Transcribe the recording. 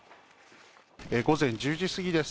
午前１０時すぎです。